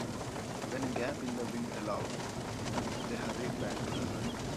When a gap in the wind allowed, they hurried back to the hut.